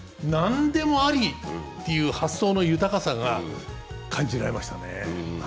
何でもありっていう発想の豊かさが感じられましたね。